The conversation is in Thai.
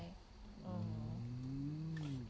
อืม